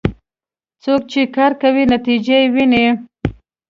څوک چې کار کوي، نتیجه یې ويني.